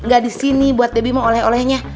gak disini buat debbie mau oleh olehnya